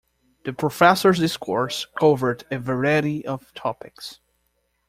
The professor’s discourse covered a variety of topics.